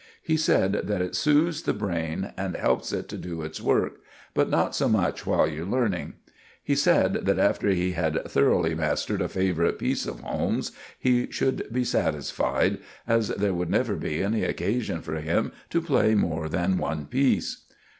He said that it soothes the brain and helps it to do its work—but not so much while you're learning. He said that after he had thoroughly mastered a favourite piece of Holmes's he should be satisfied, as there would never be any occasion for him to play more than one piece.